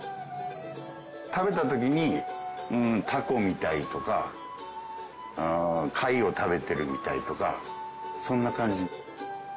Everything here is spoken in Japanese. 食べた時に「タコみたい」とか「貝を食べてるみたい」とかそんな感じ。